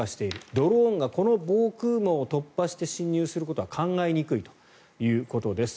ドローンがこの防空網を突破して侵入することは考えにくいということです。